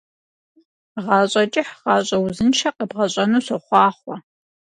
Гъащӏэ кӏыхь, гъащӏэ узыншэ къэбгъэщӏэну сохъуахъуэ.